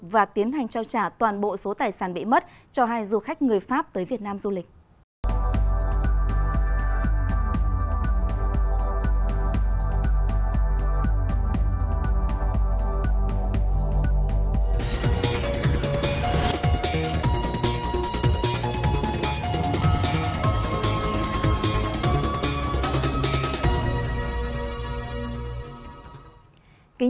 và tiến hành trao trả toàn bộ số tài sản bị mất cho hai du khách người pháp tới việt nam du lịch